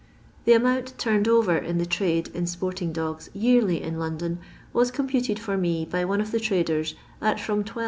The amoont turned over " in the trade in sporting dngs yearly in London, was computed for me by one of the traders at from 12,000